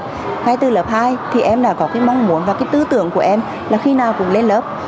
ngay từ lớp hai thì em đã có cái mong muốn và cái tư tưởng của em là khi nào cũng lên lớp